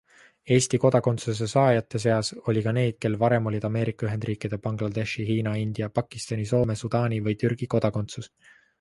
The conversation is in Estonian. Eesti kodakondsuse saajate seas oli ka neid, kel varem oli Ameerika Ühendriikide, Bangladeshi, Hiina, India, Pakistani, Soome, Sudaani või Türgi kodakondsus.